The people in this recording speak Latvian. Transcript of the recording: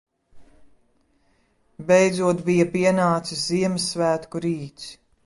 Beidzot bija pienācis Ziemassvētku rīts.